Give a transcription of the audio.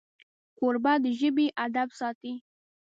کوربه د ژبې ادب ساتي.